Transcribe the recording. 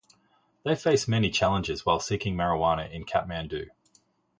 They face many challenges while seeking marijuana in Kathmandu.